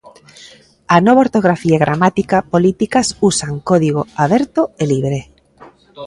A nova ortografía e gramática políticas usan código aberto e libre.